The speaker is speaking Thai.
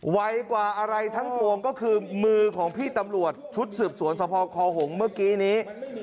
ไวกว่าอะไรทั้งปวงก็คือมือของพี่ตำรวจชุดสืบสวนสภคอหงษ์เมื่อกี้นี้